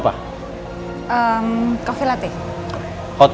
masuk pas hadki